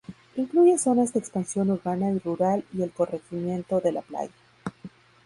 Incluye zonas de expansión urbana y rural y el corregimiento de La Playa.